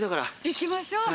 行きましょう。